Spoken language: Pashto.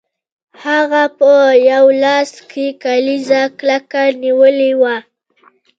هغه په یو لاس کې کلیزه کلکه نیولې وه